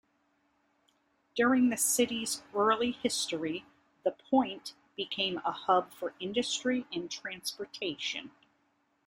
During the city's early history, the Point became a hub for industry and transportation.